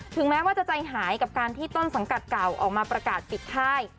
แม้ว่าจะใจหายกับการที่ต้นสังกัดเก่าออกมาประกาศปิดค่าย